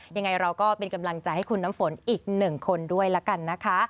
ยังไงเราก็เป็นกำลังใจให้คุณน้ำฝนอีกหนึ่งคนด้วยละกันนะคะ